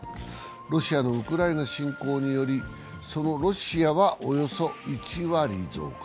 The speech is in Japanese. ロシアのウクライナ侵攻により、そのロシアはおよそ１割増加。